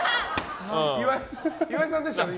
岩井さんでしたね